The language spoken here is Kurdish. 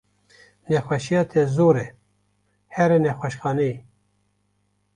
Nexweşiya te zor e here nexweşxaneyê.